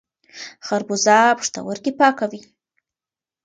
خربوزه پښتورګي پاکوي.